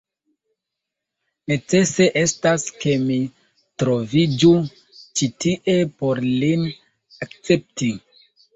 Necese estas, ke mi troviĝu ĉi tie por lin akcepti.